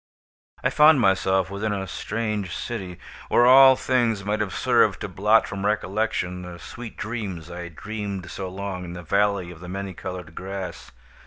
I found myself within a strange city, where all things might have served to blot from recollection the sweet dreams I had dreamed so long in the Valley of the Many Colored Grass.